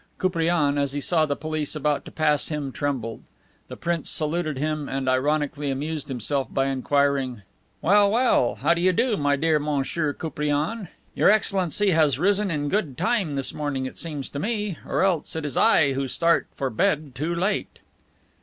Koupriane, as he saw the prince about to pass him, trembled. The prince saluted him and ironically amused himself by inquiring: "Well, well, how do you do, my dear Monsieur Koupriane. Your Excellency has risen in good time this morning, it seems to me. Or else it is I who start for bed too late."